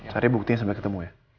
cari buktinya sampai ketemu ya